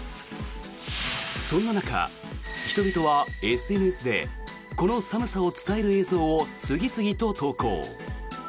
そんな中、人々はＳＮＳでこの寒さを伝える映像を次々と投稿。